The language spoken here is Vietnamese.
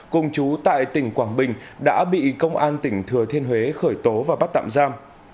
cùng chú tại tỉnh quảng bình đã bị công an tỉnh thừa thiên huế khởi tố và bắt tạm giam